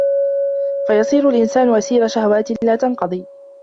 فَيَصِيرُ الْإِنْسَانُ أَسِيرَ شَهَوَاتٍ لَا تَنْقَضِي